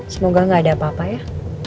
semoga gak ada apa apa ya